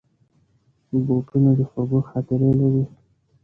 بوټونه د خوږو خاطرې لري.